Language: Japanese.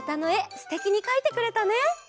すてきにかいてくれたね！